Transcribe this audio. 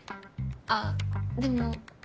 あっでも。